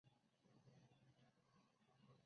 蜍蝽为蜍蝽科蜍蝽属下的一个种。